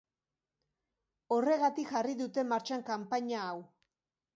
Horregatik jarri dute martxan kanpaina hau.